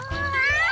あ！